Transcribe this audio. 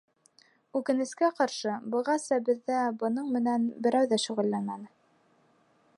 Үкенескә ҡаршы, бығаса беҙҙә бының менән берәү ҙә шөғөлләнмәне.